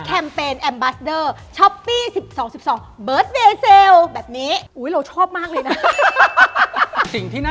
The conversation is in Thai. ตามองบน